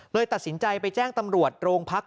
ตัดสินใจไปแจ้งตำรวจโรงพัก